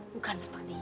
bukan seperti you